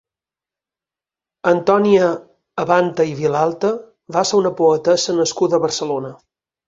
Antònia Abante i Vilalta va ser una poetessa nascuda a Barcelona.